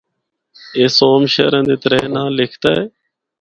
اُس ’سوم‘ شہراں دے ترے ناں لکھدا ہے۔